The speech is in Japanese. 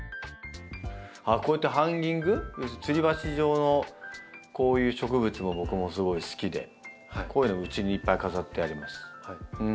こうやってハンギング要するにつり鉢状のこういう植物も僕もすごい好きでこういうのうちにいっぱい飾ってあります。